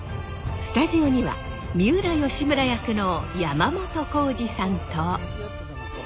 スタジオには三浦義村役の山本耕史さんと。